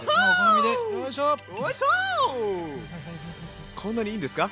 あこんなにいいんですか？